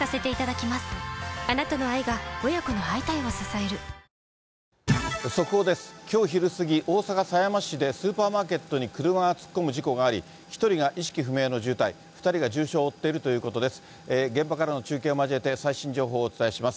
きょう昼過ぎ、大阪狭山市でスーパーマーケットに車が突っ込む事故があり、１人が意識不明の重体、２人が重傷を負っているということです。